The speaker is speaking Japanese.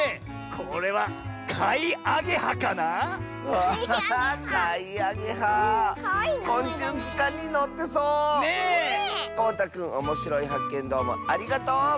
こうたくんおもしろいはっけんどうもありがとう！